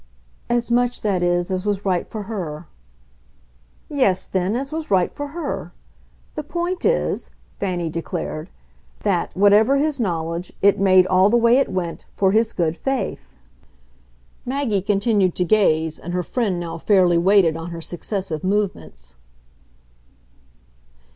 "As much, that is, as was right for her." "Yes then as was right for her. The point is," Fanny declared, "that, whatever his knowledge, it made, all the way it went, for his good faith." Maggie continued to gaze, and her friend now fairly waited on her successive movements.